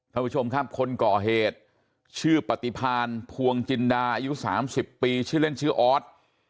ท่านผู้ชมครับคนก่อเหตุชื่อปฏิพาณภวงจินดาอายุ๓๐ปีชื่อเล่นชื่อออส